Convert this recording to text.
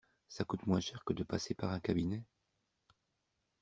Ça coûte moins cher que de passer par un cabinet.